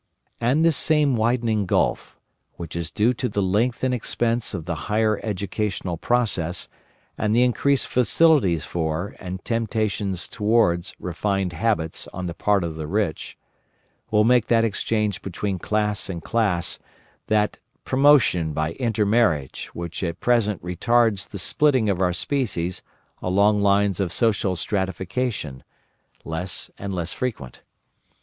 And this same widening gulf—which is due to the length and expense of the higher educational process and the increased facilities for and temptations towards refined habits on the part of the rich—will make that exchange between class and class, that promotion by intermarriage which at present retards the splitting of our species along lines of social stratification, less and less frequent.